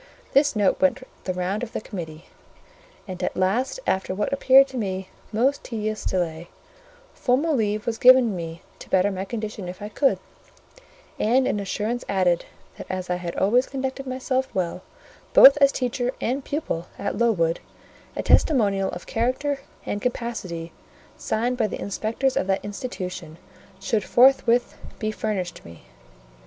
This note went the round of the committee, and at last, after what appeared to me most tedious delay, formal leave was given me to better my condition if I could; and an assurance added, that as I had always conducted myself well, both as teacher and pupil, at Lowood, a testimonial of character and capacity, signed by the inspectors of that institution, should forthwith be furnished me.